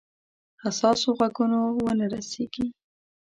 حساسو غوږونو ونه رسیږي.